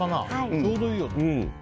ちょうどいいよね。